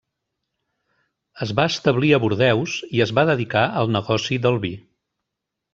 Es va establir a Bordeus i es va dedicar al negoci del vi.